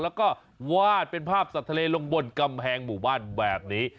แล้วก็วาดเป็นภาพสัตว์ทะเลลงบนกำแพงหมู่บ้านแบบนี้